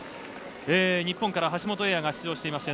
日本から橋本英也が出場しています。